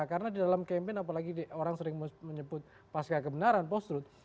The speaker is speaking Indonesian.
karena di dalam campaign apalagi orang sering menyebut pasca kebenaran post truth